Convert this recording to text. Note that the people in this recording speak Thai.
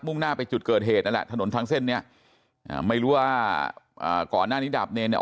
่งหน้าไปจุดเกิดเหตุนั่นแหละถนนทางเส้นเนี้ยอ่าไม่รู้ว่าก่อนหน้านี้ดาบเนรเนี่ย